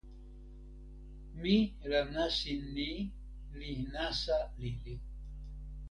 mi la nasin ni li nasa lili.